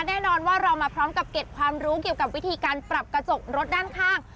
แน่นอนว่าเรามาพร้อมกับเก็บความรู้เกี่ยวกับวิธีการปรับกระจกรถด้านข้าง